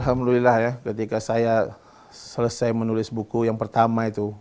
alhamdulillah ya ketika saya selesai menulis buku yang pertama itu